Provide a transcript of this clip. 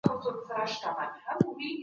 نن بيا يوې پيغلي